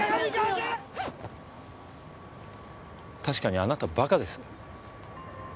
確かにあなたは馬鹿です。